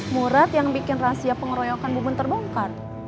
murad yang bikin rahasia pengoroyakan bubun terbongkar